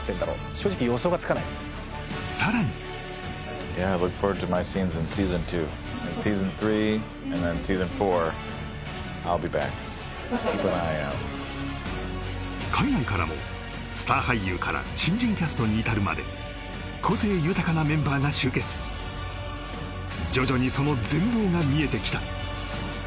正直予想がつかないさらに海外からもスター俳優から新人キャストに至るまで個性豊かなメンバーが集結徐々にその全貌が見えてきた